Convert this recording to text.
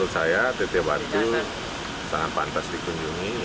menurut saya teteh batu sangat pantas dikunjungi